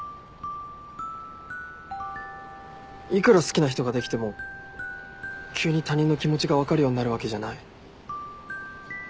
いくら好きな人ができても急に他人の気持ちが分かるようになるわけじゃない。